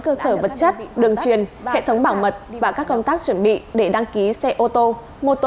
cơ sở vật chất đường truyền hệ thống bảo mật và các công tác chuẩn bị để đăng ký xe ô tô